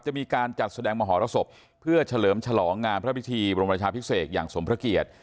จะมีการจัดแสดงมหรสบเพื่อเฉลิมฉลองงานพระพิธีบรมราชาพิเศษอย่างสมพระเกียรติ